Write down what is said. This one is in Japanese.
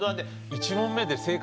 １問目で正解